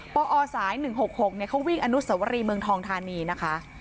ปอสาย๑๖๖เขาวิ่งอนุสวรีเมืองทองทานีนะคะ